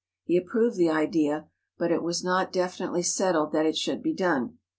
He approved the idea, but it was not definitely settled that it should be done.